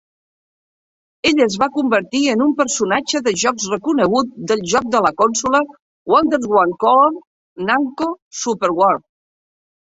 Ell es va convertir en un personatge de jocs reconegut del joc de la consola Wonderswan Color "Namco Super Wars".